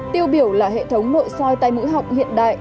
tiêu biểu là hệ thống mội soi tai mũi họng hiện đại